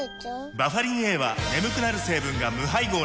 バファリンＡは眠くなる成分が無配合なんです